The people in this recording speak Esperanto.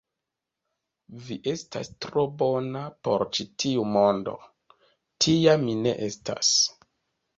Vi estas tro bona por ĉi tiu mondo; tia mi ne estas.